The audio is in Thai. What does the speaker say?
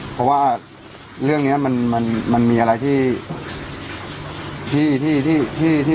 เพราะว่าเรื่องเนี้ยมันมันมันมีอะไรที่ที่ที่ที่ที่ที่